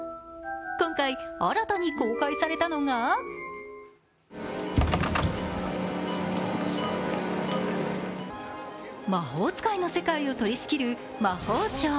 今回、新たに公開されたのが魔法使いの世界を取り仕切る魔法省。